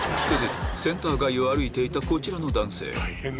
続いて、センター街を歩いていたこちらの男性。